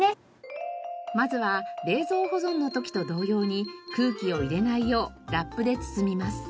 まずは冷蔵保存の時と同様に空気を入れないようラップで包みます。